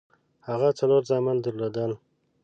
هغه څلور زامن درلودل.